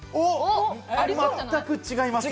全く違います。